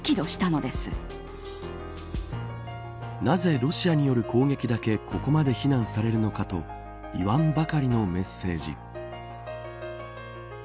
なぜロシアによる攻撃だけここまで非難されるのかと言わんばかりのメッセージ。